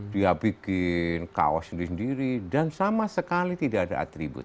dia bikin kaos sendiri sendiri dan sama sekali tidak ada atribut